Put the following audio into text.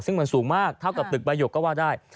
ซึ่งมันสูงมากเท่ากับตึกบายกก็ว่าได้